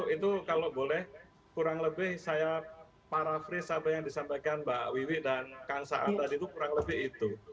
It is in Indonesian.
itu kalau boleh kurang lebih saya parafris apa yang disampaikan mbak wiwi dan kansa andad itu kurang lebih itu